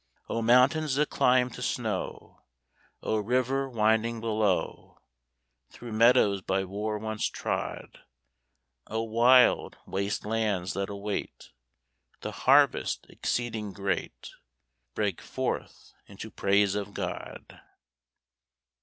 O mountains that climb to snow, O river winding below, Through meadows by war once trod, O wild, waste lands that await The harvest exceeding great, Break forth into praise of God!